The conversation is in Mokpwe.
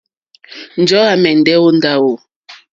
Njɔ̀ɔ́ à mɛ̀ndɛ́ ó hwàkó.